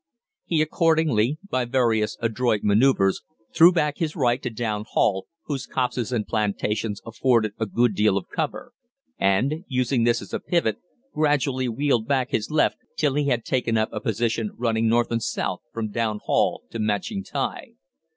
He accordingly, by various adroit manoeuvres, threw back his right to Down Hall, whose copses and plantations afforded a good deal of cover, and, using this as a pivot, gradually wheeled back his left till he had taken up a position running north and south from Down Hall to Matching Tye.